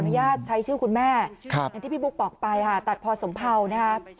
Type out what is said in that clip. ญาตใช้ชื่อคุณแม่อย่างที่พี่บุ๊คบอกไปค่ะตัดพอสมเภานะคะ